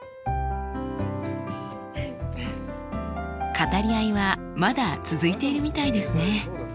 語り合いはまだ続いているみたいですね。